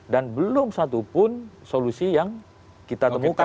dan belum satupun solusi yang kita temukan